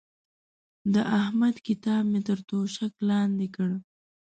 د احمد کتاب مې تر توشک لاندې کړ.